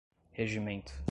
regimento